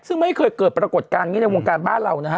ซึ่งไม่เคยเกิดปรากฏการณ์นี้ในวงการบ้านเรานะฮะ